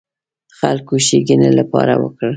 خلکو ښېګڼې لپاره وکړ.